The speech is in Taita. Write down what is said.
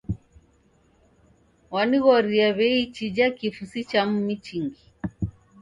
Wanighoghoria w'ei chija kifu si cha mumi chingi.